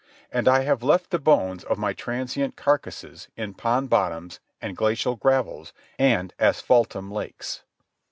And I have left the bones of my transient carcasses in pond bottoms, and glacial gravels, and asphaltum lakes.